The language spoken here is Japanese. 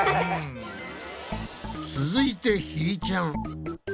続いてひーちゃん。